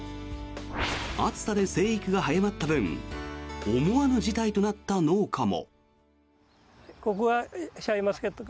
暑さで生育が早まった分思わぬ事態となった農家も。